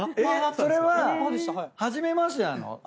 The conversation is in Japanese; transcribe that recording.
それは初めましてなの？